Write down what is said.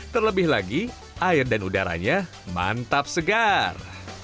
terlebih lagi air dan udaranya mantap segar